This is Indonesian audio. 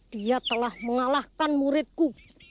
dia telah mengalahkan muridku